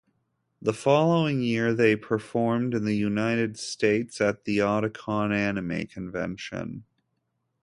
The following year, they performed in the United States at the Otakon anime convention.